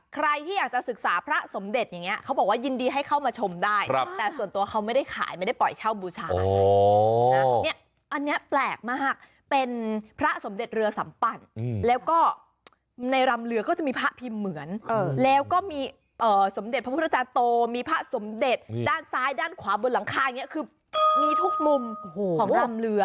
ใครที่อยากจะศึกษาพระสมเด็จอย่างนี้เขาบอกว่ายินดีให้เข้ามาชมได้แต่ส่วนตัวเขาไม่ได้ขายไม่ได้ปล่อยเช่าบูชาไงเนี่ยอันนี้แปลกมากเป็นพระสมเด็จเรือสัมปั่นแล้วก็ในรำเรือก็จะมีพระพิมพ์เหมือนแล้วก็มีสมเด็จพระพุทธจาโตมีพระสมเด็จด้านซ้ายด้านขวาบนหลังคาอย่างนี้คือมีทุกมุมของลำเรือ